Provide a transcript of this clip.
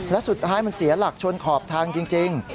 และสุดท้ายมันเสียหลักชนขอบทางจริง